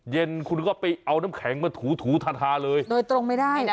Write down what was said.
เย็นคุณก็ไปเอาน้ำแข็งมาถูถูทาทาเลยโดยตรงไม่ได้นะ